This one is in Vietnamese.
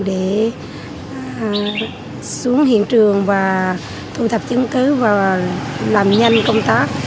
để xuống hiện trường và thu thập chứng cứ và làm nhanh công tác